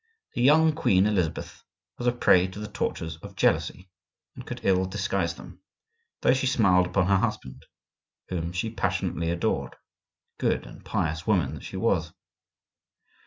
The young queen, Elizabeth, was a prey to the tortures of jealousy, and could ill disguise them, though she smiled upon her husband, whom she passionately adored, good and pious woman that she was!